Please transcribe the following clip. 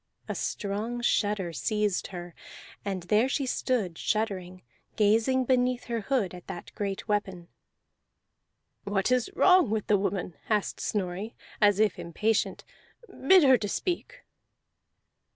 A strong shudder seized her, and there she stood shuddering, gazing beneath her hood at that great weapon. "What is wrong with the woman?" asked Snorri as if impatient. "Bid her to speak."